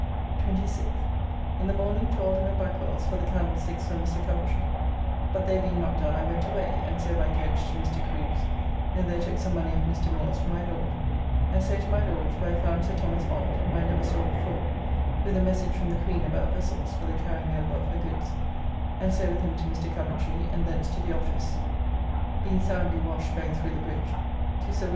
26th. In the morning to Alderman Backwell's for the candlesticks for Mr. Coventry, but they being not done I went away, and so by coach to Mr. Crew's, and there took some money of Mr. Moore's for my Lord, and so to my Lord's, where I found Sir Thomas Bond (whom I never saw before) with a message from the Queen about vessells for the carrying over of her goods, and so with him to Mr. Coventry, and thence to the office (being soundly washed going through the bridge) to Sir Wm.